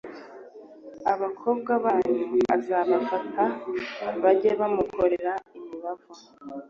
Abakobwa banyu azabafata bajye bamukorera imibavu